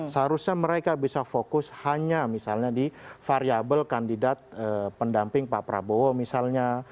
seharusnya mereka bisa fokus hanya misalnya di variable kandidat pendamping pak prabowo misalnya